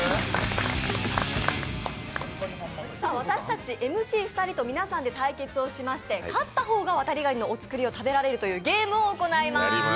私たちＭＣ２人と皆さんで対決しまして勝った方がわたりがにのお造りを食べられるというゲームをいたします。